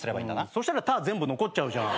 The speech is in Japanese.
そしたら「た」全部残っちゃうじゃん。